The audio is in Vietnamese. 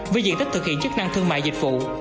với diện tích thực hiện chức năng thương mại dịch vụ